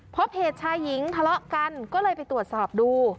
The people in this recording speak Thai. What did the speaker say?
พบเหตุชายหญิงทะเลาะกันก็เลยไปตรวจสอบดู